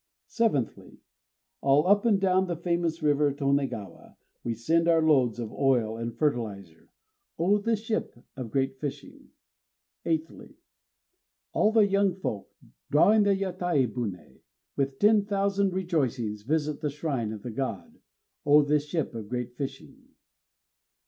_ Seventhly, All up and down the famous river Tonégawa we send our loads of oil and fertilizer. O this ship of great fishing! Eighthly, All the young folk, drawing the Yatai buné, with ten thousand rejoicings, visit the shrine of the God. _O this ship of great fishing!